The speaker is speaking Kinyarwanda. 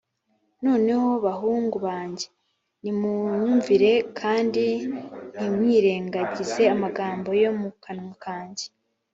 noneho bahungu banjye, nimunyumvire, kandi ntimwirengagize amagambo yo mu kanwa kanjye